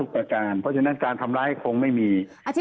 เพราะฉะนั้นการทำร้ายคงไม่มี